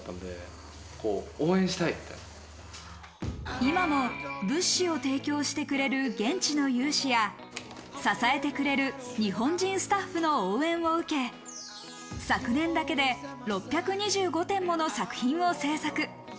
今も物資を提供してくれる現地の有志や支えてくれる日本人スタッフの応援を受け、昨年だけで６２５点もの作品を制作。